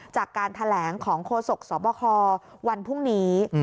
จากการแถลงของโฆษกสบควันพรุ่งนี้